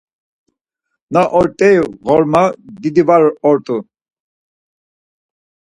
Na ort̆ey ğorma didi var ort̆u.